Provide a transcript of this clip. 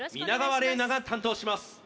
皆川玲奈が担当します